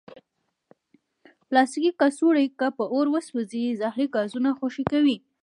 پلاستيکي کڅوړې که په اور وسوځي، زهري ګازونه خوشې کوي.